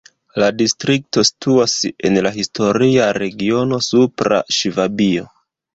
La distrikto situas en la historia regiono Supra Ŝvabio.